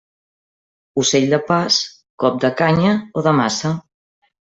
Ocell de pas, cop de canya o de maça.